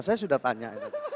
saya sudah tanya